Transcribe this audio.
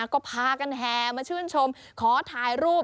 ก็พากันแห่มาชื่นชมขอถ่ายรูป